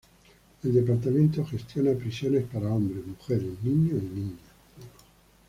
El departamento gestiona prisiones para hombres, mujeres, niños, y niñas.